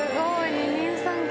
二人三脚。